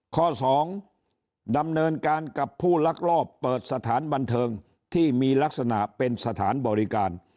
ข้อ๒ดำเนินการกับผู้ลักลอบเปิดสถานบันเทิงที่มีลักษณะเป็นสถานบริการ